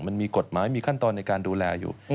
มันมีกฎหมายมีขั้นตอนในการดูแลอยู่